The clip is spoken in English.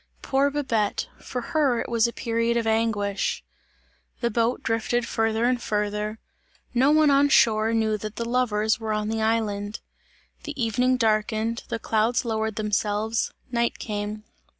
Poor Babette! For her it was a period of anguish. The boat drifted farther and farther. No one on shore knew that the lovers were on the island. The evening darkened, the clouds lowered themselves; night came.